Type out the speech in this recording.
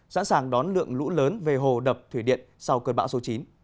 sẵn sàng đón lượng lũ lớn về hồ đập thủy điện sau cơn bão số chín